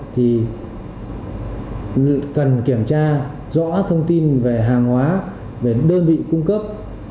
thì cần kiểm tra rõ thông tin về hàng hóa về đơn vị cung cấp